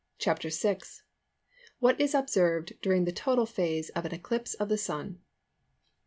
] CHAPTER VI. WHAT IS OBSERVED DURING THE TOTAL PHASE OF AN ECLIPSE OF THE SUN.